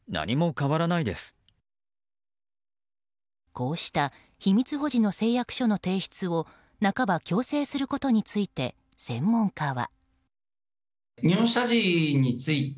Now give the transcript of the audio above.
こうした秘密保持の誓約書の提出を半ば強制することについて専門家は。